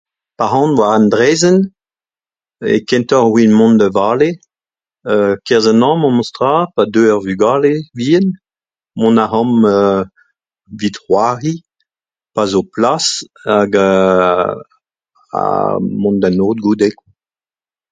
Pa'z an war an draezhenn eo kentoc'h evit mont da vale [eu] 'kerzh an hañv memes tra, pa deu ar vugale-vihan mont a reomp evit c'hoari pa zo plas hag [eu] ha mont d'an aod goude.